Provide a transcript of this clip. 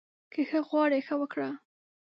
که ښه غواړې، ښه وکړه